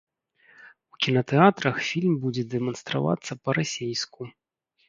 У кінатэатрах фільм будзе дэманстравацца па-расейску.